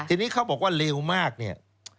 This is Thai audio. ทีนี้เขาบอกว่าเร็วมากเนี่ย